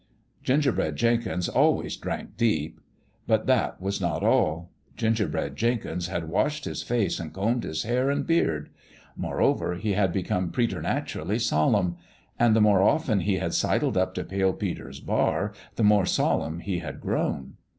Gingerbread Jenkins always drank deep. But that was not all. Gingerbread Jenkins had washed his face and combed his hair and beard. Moreover, he had become preternaturally solemn ; and the more often he had sidled up to Pale Peter's bar the more solemn he had grown.